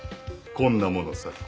こんなものさ。